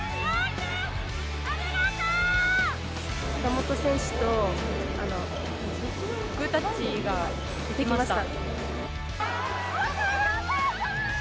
岡本選手と、グータッチができました。